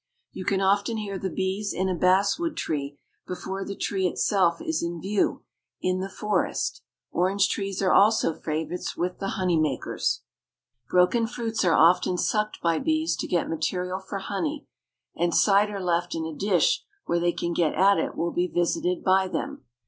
You can often hear the bees in a basswood tree before the tree itself is in view in the forest. Orange trees are also favorites with the honey makers. Broken fruits are often sucked by bees to get material for honey, and cider left in a dish where they can get at it will be visited by them.